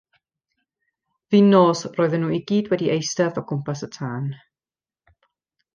Fin nos roedden nhw i gyd wedi eistedd o gwmpas y tân.